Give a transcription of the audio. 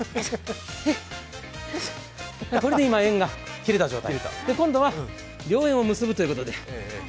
これで今、縁が切れた状態今度は良縁を結ぶということで。